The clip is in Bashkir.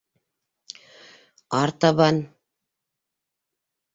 Артабан...